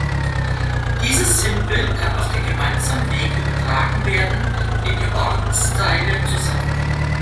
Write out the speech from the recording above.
Dieses Sinnbild kann auf den gemeinsamen Weg übertragen werden, den die Ortsteile zusammen gehen.